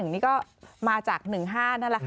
นี่ก็มาจาก๑๕นั่นแหละค่ะ